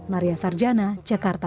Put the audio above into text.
maria sarjana jakarta